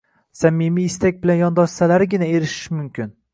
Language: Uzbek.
Samimiy istak bilan yondoshsalargina erishish mumkin.